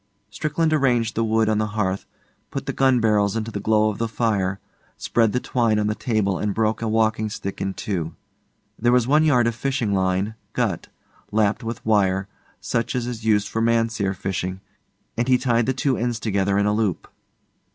Strickland arranged the wood on the hearth, put the gun barrels into the glow of the fire, spread the twine on the table and broke a walking stick in two. There was one yard of fishing line, gut, lapped with wire, such as is used for mahseer fishing, and he tied the two ends together in a loop.